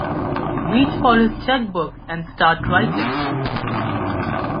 Reach for his cheque-book and start writing.